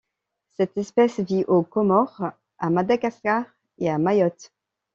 Cette espèce vit aux Comores, à Madagascar et à Mayotte.